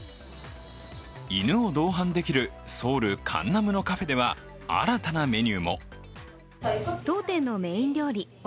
犬を同伴できるソウル・カンナムのカフェでは新たなメニューも。